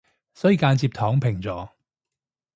所以間接躺平咗